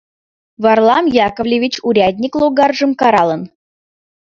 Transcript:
Варлам Яковлевич урядник логаржым каралын: